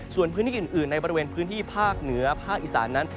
ส่วนพื้นที่อื่นในบริเวณพื้นที่ภาคเหนือภาคอีสานนั้น